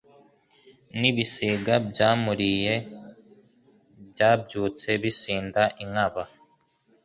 N'ibisiga byamuliye byabyutse bisinda inkaba,